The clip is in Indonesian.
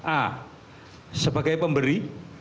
a sebagai pemberi